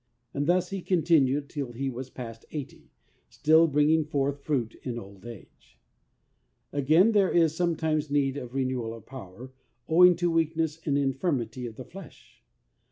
And thus he continued till he was past eighty, still bringing forth fruit in old age. THE RENEWING OF POWER. 8/ Again, there is sometimes need of a re newal of power owing to weakness and infirmity of the flesh.